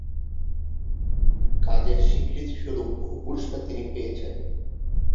কাজের স্বীকৃতিস্বরূপ বহু পুরস্কার তিনি পেয়েছেন।